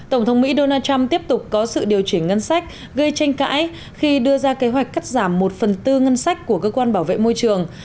tổng thống mỹ donald trump tiếp tục có sự điều chỉnh ngân sách gây tranh cãi khi đưa ra kế hoạch cắt giảm một phần tư ngân sách của cơ quan bảo vệ môi trường